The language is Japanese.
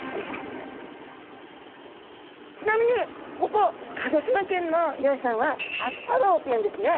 ちなみにここ鹿児島県の漁師さんは秋太郎と言うんですね。